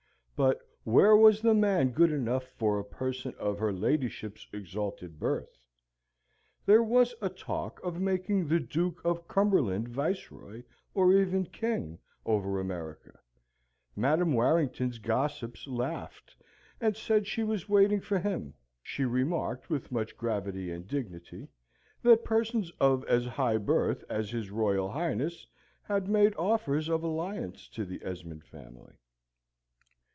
But where was the man good enough for a person of her ladyship's exalted birth? There was a talk of making the Duke of Cumberland viceroy, or even king, over America. Madam Warrington's gossips laughed, and said she was waiting for him. She remarked, with much gravity and dignity, that persons of as high birth as his Royal Highness had made offers of alliance to the Esmond family.